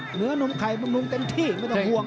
อเจมส์ทุกคนต้องลงเต็มที่ไม่ต้องห่วง